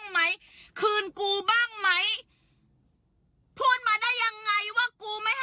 แต่พวกมันไปเที่ยวแล้วก็เลิกคบกูอะไรวะ